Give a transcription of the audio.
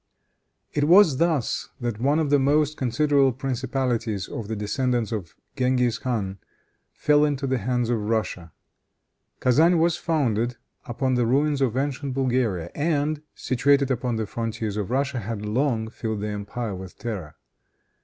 It was thus that one of the most considerable principalities of the descendants of Genghis Khan fell into the hands of Russia. Kezan was founded upon the ruins of ancient Bulgaria, and, situated upon the frontiers of Russia, had long filled the empire with terror.